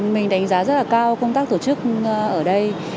mình đánh giá rất là cao công tác tổ chức ở đây